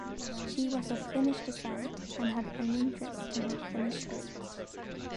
She was of Finnish descent and had an interest in her Finnish roots.